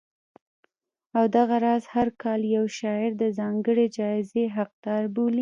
او دغه راز هر کال یو شاعر د ځانګړې جایزې حقدار بولي